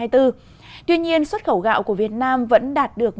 tuy nhiên xuất khẩu gạo của việt nam vẫn đạt được